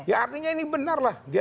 ya artinya ini benar lah